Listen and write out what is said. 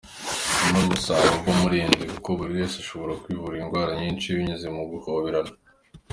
Nyamara umusaruro uvamo urarenze, kuko buri wese ashobora kwivura indwara nyinshi binyuze mu guhoberana.